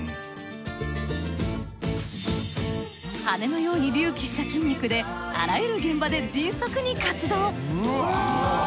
羽のように隆起した筋肉であらゆる現場で迅速に活動。